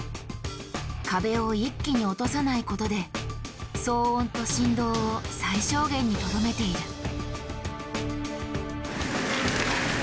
壁を一気に落とさないことで騒音と振動を最小限にとどめている。